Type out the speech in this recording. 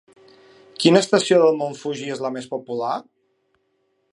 Quina estació del mont Fuji és la més popular?